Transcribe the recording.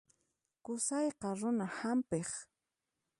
Qusayqa runa hampiq.